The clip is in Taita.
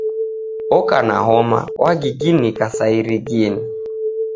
Oka na homa, wagiginika sa irigini.